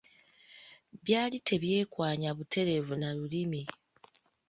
Byali tebyekwanya butereevu na Lulimi.